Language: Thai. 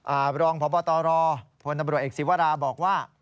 ระหลองพพตพลตเอกสิวาราฯบอกว่า